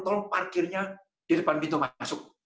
tolong parkirnya di depan pintu masuk